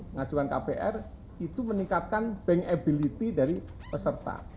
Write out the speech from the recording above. pengajuan kpr itu meningkatkan bankability dari peserta